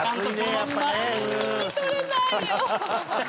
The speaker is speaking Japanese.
聞き取れないよ！